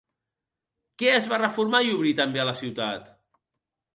Què es va reformar i obrir també a la ciutat?